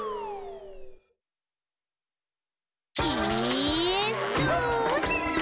「イーッス」